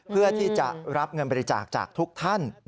เพื่อที่จะรับเงินบริจาคจากทุกท่าน